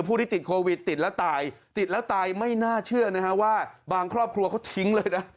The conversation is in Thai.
ผู้ที่ติดโควิดติดแล้วตายติดแล้วตายไม่น่าเชื่อนะฮะว่าบางครอบครัวเขาทิ้งเลยนะ